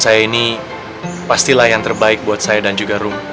saya ini pastilah yang terbaik buat saya dan juga room